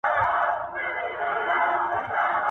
• چرته نه کار، هلته څه کار.